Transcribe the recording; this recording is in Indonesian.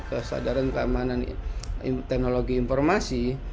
kesadaran keamanan teknologi informasi